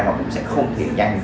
nó cũng sẽ không thể nhanh